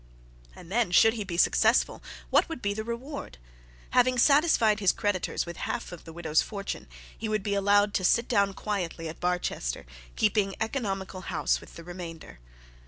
And then, should he be successful, what would be the reward? Having satisfied his creditors with half of the widow's fortune, he would be allowed to sit down quietly at Barchester, keeping economical house with the remainder.